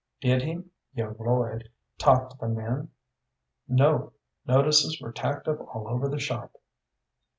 "Did he young Lloyd talk to the men?" "No; notices were tacked up all over the shop."